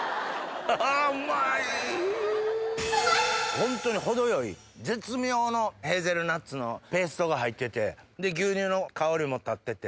ホントに程よい絶妙のヘーゼルナッツのペーストが入ってて牛乳の香りも立ってて。